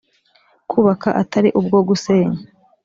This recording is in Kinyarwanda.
kubaka atari ubwo gusenya